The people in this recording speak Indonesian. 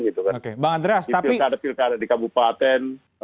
di pilkada pilkada di kabupaten